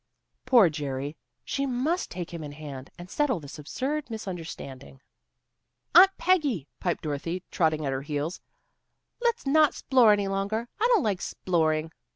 Poor Jerry! She must take him in hand, and settle this absurd misunderstanding. "Aunt Peggy," piped Dorothy, trotting at her heels, "let's not 'splore any longer. I don't like 'sploring."